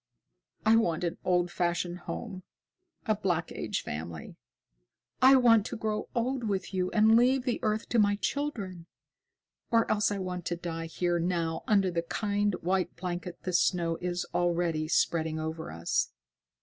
I want an old fashioned home, a Black Age family. I want to grow old with you and leave the earth to my children. Or else I want to die here now under the kind, white blanket the snow is already spreading over us."